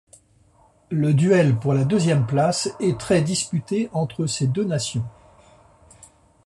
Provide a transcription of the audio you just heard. Le duel pour la deuxième place est très disputé entre ces deux nations.